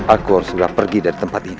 aku harus segera pergi dari tempat ini